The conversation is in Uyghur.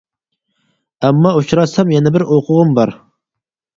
ئەمما ئۇچراتسام يەنە بىر ئوقۇغۇم بار.